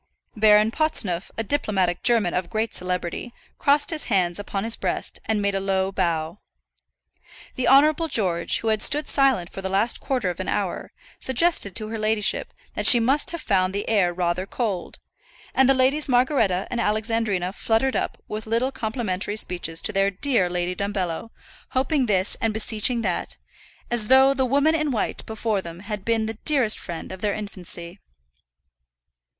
Baron Potsneuf, a diplomatic German of great celebrity, crossed his hands upon his breast and made a low bow. The Honourable George, who had stood silent for the last quarter of an hour, suggested to her ladyship that she must have found the air rather cold; and the Ladies Margaretta and Alexandrina fluttered up with little complimentary speeches to their dear Lady Dumbello, hoping this and beseeching that, as though the "Woman in White" before them had been the dearest friend of their infancy.